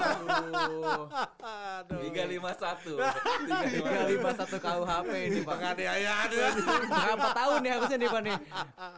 berapa tahun nih harusnya nih pak nih